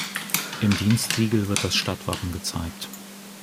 Im Dienstsiegel wird das Stadtwappen gezeigt.